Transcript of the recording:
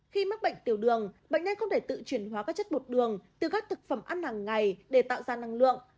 khi mắc bệnh tiểu đường bệnh nhân không thể tự chuyển hóa các chất bột đường từ các thực phẩm ăn hàng ngày để tạo ra năng lượng